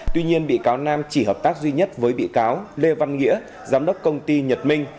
tuy nhiên bị cáo nam chỉ hợp tác duy nhất với bị cáo lê văn nghĩa giám đốc công ty nhật minh